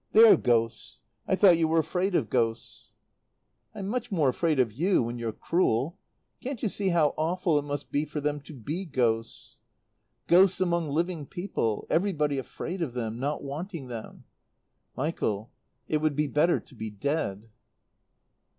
They're ghosts. I thought you were afraid of ghosts." "I'm much more afraid of you, when you're cruel. Can't you see how awful it must be for them to be ghosts? Ghosts among living people. Everybody afraid of them not wanting them." "Michael it would be better to be dead!"